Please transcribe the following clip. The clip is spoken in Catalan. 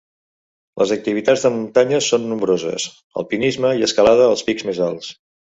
Les activitats de muntanya són nombroses: alpinisme i escalada als pics més alts.